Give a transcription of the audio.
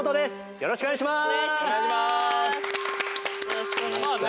よろしくお願いします。